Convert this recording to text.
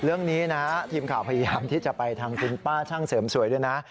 เรื่องนี้นะทีมข่าวพยายามที่จะไปทางคุณป้าช่างเสริมสวยด้วยนะ